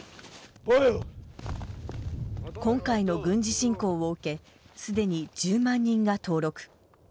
今回の軍事侵攻を受けすでに１０万人が登録。